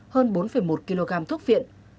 hơn bốn một kg thuốc viện